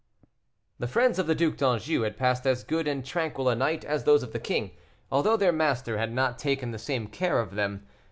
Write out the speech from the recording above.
The friends of the Duc d'Anjou had passed as good and tranquil a night as those of the king, although their master had not taken the same care of them.